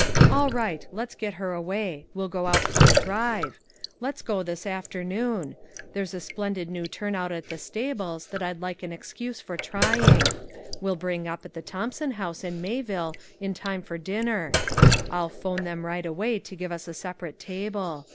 "All right, let's get her away; we'll go out for a drive. Let's go this afternoon; there's a splendid new turnout at the stables that I'd like an excuse for trying. We'll bring up at the Thompson House in Mayville in time for dinner; I'll 'phone them right away to give us a separate table.